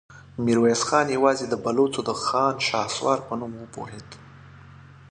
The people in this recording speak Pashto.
ميرويس خان يواځې د بلوڅو د خان شهسوار په نوم وپوهېد.